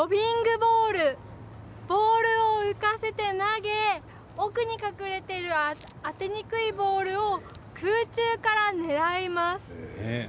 ボールを浮かせて投げ奥に隠れている当てにくいボールを空中から狙います。